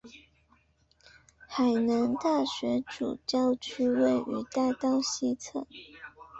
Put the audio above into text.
海南大学主校区位于大道西侧。